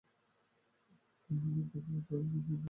একদফা শোধ করলেম, অন্নঋণ আবার নূতন করে ফাঁদতে পারব না।